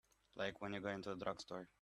Like when you go into a drugstore.